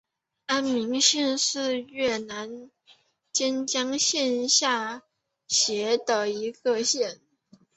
安明县是越南坚江省下辖的一个县。